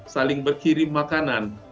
saling berkirim makanan